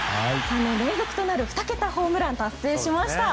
連続となる２桁ホームランを達成しました。